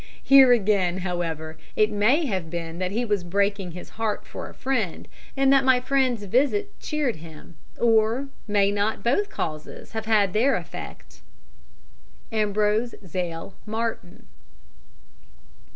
Here, again, however, it may have been that he was breaking his heart for a friend, and that my friend's visit cheered him. Or may not both causes have had their effect? "AMBROSE ZAIL MARTYN."